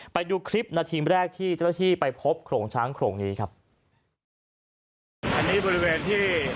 ไปดูคลิปนาทีแรกที่เจ้าหน้าที่ไปพบโขลงช้างโขลงนี้ครับอันนี้บริเวณที่